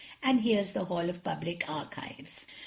And here's the Hall of Public Archives."